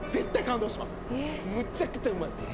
むちゃくちゃうまいです。